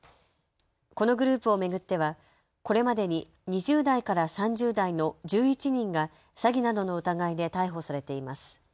このグループを巡ってはこれまでに２０代から３０代の１１人が詐欺などの疑いで逮捕されています。